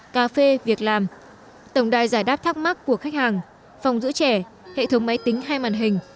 cà phê việc làm tổng đài giải đáp thắc mắc của khách hàng phòng giữ trẻ hệ thống máy tính hai màn hình